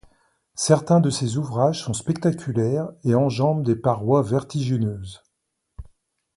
Certains de ces ouvrages sont spectaculaires et enjambent des parois vertigineuses.